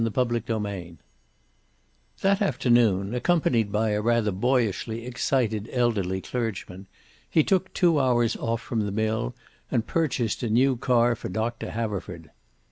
CHAPTER VIII That afternoon, accompanied by a rather boyishly excited elderly clergyman, he took two hours off from the mill and purchased a new car for Doctor Haverford.